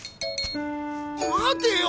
待てよ！